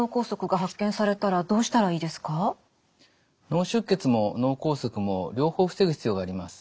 脳出血も脳梗塞も両方防ぐ必要があります。